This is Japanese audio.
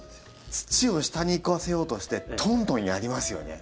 土を下に行かせようとしてトントンやりますよね。